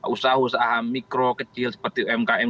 usaha usaha mikro kecil seperti umkm